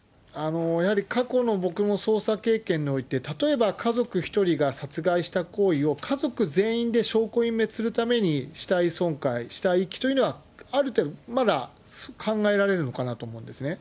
やはり過去の僕の捜査経験において、例えば家族１人が殺害した行為を、家族全員で証拠隠滅するために死体損壊、死体遺棄というのは、ある程度、まだ考えられるのかなと思うんですね。